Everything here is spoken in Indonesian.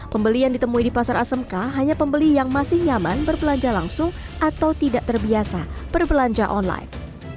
pembeli yang ditemui di pasar asmk hanya pembeli yang masih nyaman berbelanja langsung atau tidak terbiasa berbelanja online